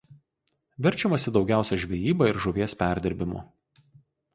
Verčiamasi daugiausia žvejyba ir žuvies perdirbimu.